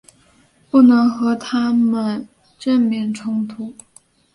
不能和他们正面冲突